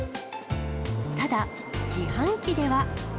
ただ、自販機では。